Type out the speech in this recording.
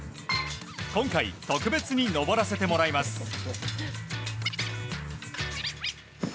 今回、特別に上らせてもらいます。